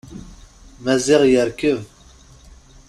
Maziɣ yerkeb.